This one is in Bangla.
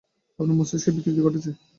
আপনার মস্তিষ্ক বিকৃতি ঘটেছে।